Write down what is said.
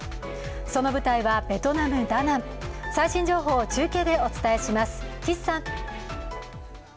その舞台はベトナム・ダナン最新情報を中継でお伝えします。